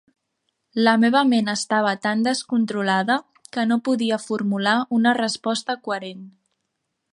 La meva ment estava tan descontrolada que no podia formular una resposta coherent.